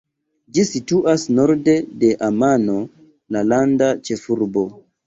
Ĝi situas norde de Amano, la landa ĉefurbo.